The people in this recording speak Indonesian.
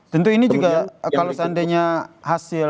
tentu ini juga kalau seandainya hasil